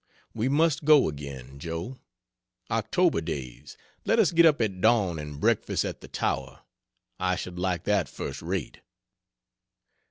We must go again, Joe. October days, let us get up at dawn and breakfast at the tower. I should like that first rate.